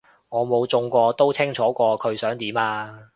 我冇中過都清楚過佢想點啊